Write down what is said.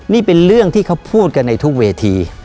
นี่เป็นเรื่องที่เขาพูดกันในทุกเวที